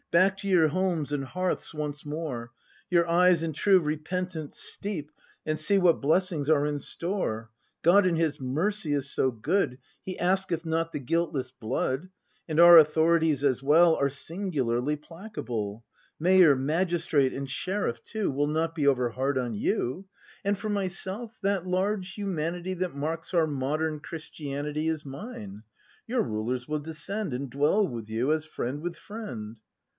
Back to your homes and hearths once more; Your eyes in true repentance steep, And see what blessings are in store. God in His mercy is so good, He asketh not the guiltless blood; — And our authorities as well Are singularly placable; Mayor, magistrate, and sheriff too, ACTv] BRAND 281 Will not be over hard on you; And for myself, that large humanity That marks our modern Christianity Is mine; your rulers will descend And dwell with you, as friend with friend.